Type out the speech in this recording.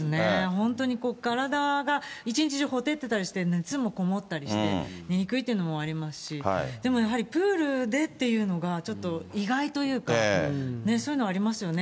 本当に体が一日中火照ったりして、熱もこもったりして、寝にくいというのもありますし、やはりプールでというのが、ちょっと意外というか、そういうのはありますよね。